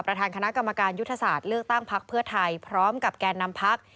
ประธานคณะกรรมการยุทธศาสตร์เลือกตั้งพักเพื่อไทยพร้อมกับแก่นำพัก